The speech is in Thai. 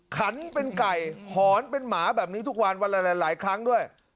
ขันเป็นไก่หอนเป็นหมาแบบนี้ทุกวันวันละหลายครั้งด้วย